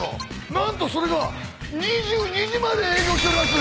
何とそれが２２時まで営業しております。